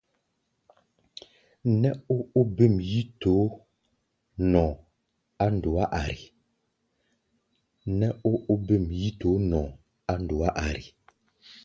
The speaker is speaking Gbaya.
Nɛ́ ó óbêm yíítoó nɔʼɔ á ndɔá ari.